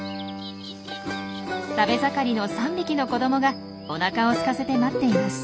食べ盛りの３匹の子どもがおなかをすかせて待っています。